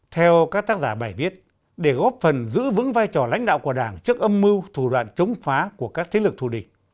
theo các tác giả bài viết để góp phần giữ vững vai trò lãnh đạo của đảng trước âm mưu thủ đoạn chống phá của các thế lực thù địch